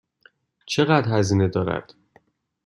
چقدر هزینه دارد؟